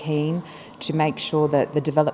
những người có tình hình